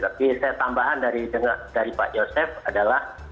tapi saya tambahan dari pak yosef adalah